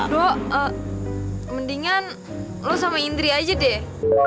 lo mendingan lo sama indri aja deh